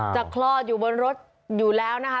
คลอดอยู่บนรถอยู่แล้วนะคะ